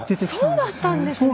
そうだったんですね。